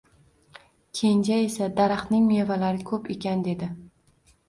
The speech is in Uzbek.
Kenja esa Daraxtning mevalari ko`p ekan dedi